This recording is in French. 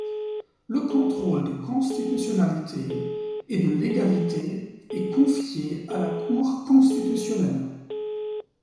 Le contrôle de constitutionnalité et de légalité est confié à la Cour constitutionnelle.